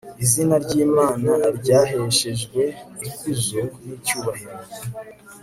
izina ry'imana ryaheshejwe ikuzo n'icyubahiro